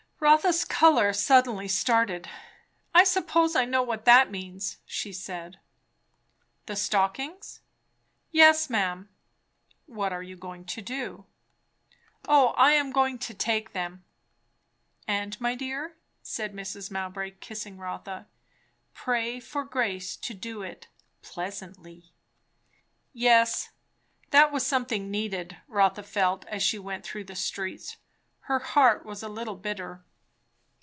Rotha's colour suddenly started. "I suppose I know what that means!" she said. "The stockings?" "Yes, ma'am." "What are you going to do?" "O I am going to take them." "And, my dear," said Mrs. Mowbray, kissing Rotha, "pray for grace to do it pleasantly." Yes, that was something needed, Rotha felt as she went through the streets. Her heart was a little bitter.